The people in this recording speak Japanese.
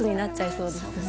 そうですね。